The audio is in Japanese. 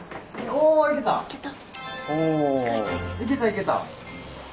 おいけたいけた。